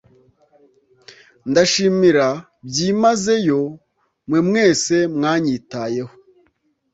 Ndashimira byimazeyo mwe mwese mwanyitayeho